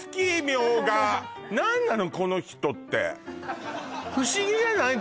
みょうが何なのこの人って不思議じゃない？